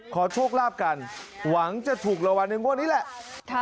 ขอโชคลาภกันหวังจะถูกรางวัลในงวดนี้แหละ